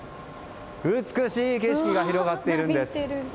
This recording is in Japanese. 美しい景色が広がっているんです。